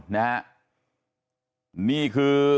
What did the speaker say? นี่คือ